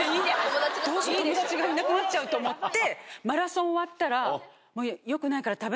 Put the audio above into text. どうしよう友達がいなくなっちゃうと思って。